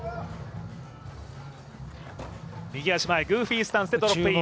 右足前、グーフィースタンスでドロップイン。